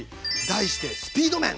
題して「スピード麺」！